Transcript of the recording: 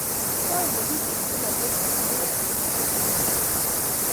chang polishek che name osoya en oret ab Nakuru